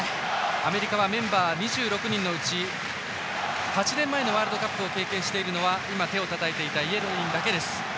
アメリカはメンバー２６人のうち８年前のワールドカップを経験しているのはイェドリンだけです。